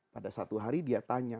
pada satu hari dia tanya